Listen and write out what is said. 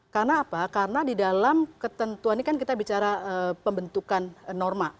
karena apa karena di dalam ketentuan ini kan kita bicara pembentukan norma